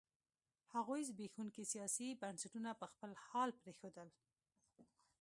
هغوی زبېښونکي سیاسي بنسټونه په خپل حال پرېښودل.